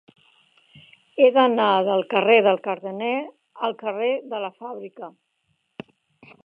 He d'anar del carrer del Cardener al carrer de la Fàbrica.